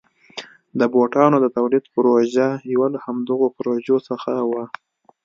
د بوټانو د تولید پروژه یو له همدغو پروژو څخه وه.